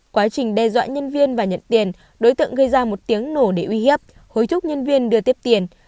quá trình đe dọa nhân viên và nhận tiền đối tượng gây ra một tiếng nổ để uy hiếp hối thúc nhân viên đưa tiếp tiền